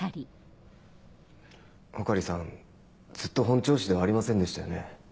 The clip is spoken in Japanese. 穂刈さんずっと本調子ではありませんでしたよね。